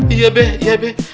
iya be iya be